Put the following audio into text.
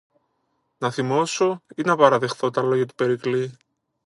Να θυμώσω ή να παραδεχθώ τα λόγια του Περικλή;